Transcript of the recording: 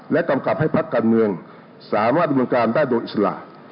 กำกับให้พักการเมืองสามารถดำเนินการได้โดยอิสระ